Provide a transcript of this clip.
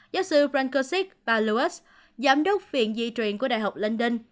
giáo sư brankosik paluas giám đốc viện di truyền của đại học london